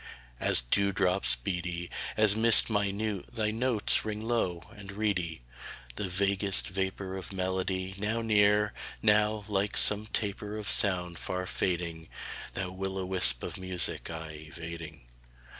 III As dew drops beady, As mist minute, thy notes ring low and reedy: The vaguest vapor Of melody, now near; now, like some taper Of sound, far fading Thou will o' wisp of music aye evading.